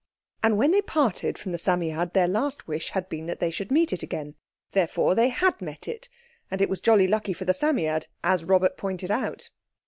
And when they parted from the Psammead their last wish had been that they should meet it again. Therefore they had met it (and it was jolly lucky for the Psammead, as Robert pointed out).